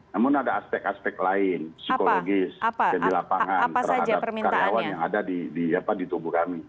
namun ada aspek aspek lain psikologis di lapangan terhadap karyawan yang ada di tubuh kami